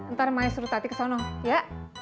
ntar maya suruh tati ke sana ya